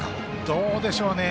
どうでしょうね。